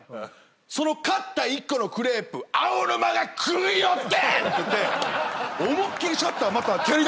「その買った１個のクレープアオヌマが食いよってん！」って言うて思いっ切りシャッターまた蹴りだしたんすよ。